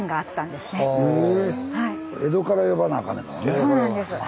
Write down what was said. そうなんです。